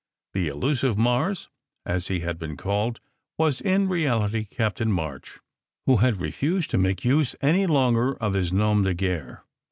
The "Elusive Mars," as he had been called, was in reality Captain March, who had refused to make use any longer of his nom de guerre.